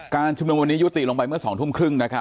การชุมนุมวันนี้ยุติลงไปเมื่อ๒ทุ่มครึ่ง